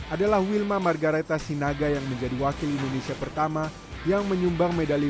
adalah wilma margaretha sinaga yang menjadi wakil indonesia pertama yang menyumbang medali